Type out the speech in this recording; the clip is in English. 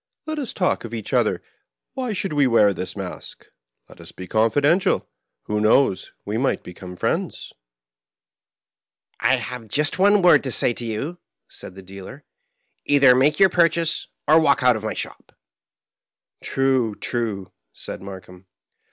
Let us talk of each other : why should we wear this mask. Let us be confi dential. Who knows, we might become friends ?'*" I have just one word to say to you," said the dealer. "Either make your purchase, or walk out of my shop I "" True, true," said Markheim.